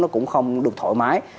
nó cũng không được thoải mái